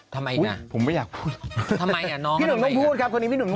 ทำไมน่ะผมไม่อยากพูดพี่หนุ่มน้องพูดครับคนนี้พี่หนุ่มพูด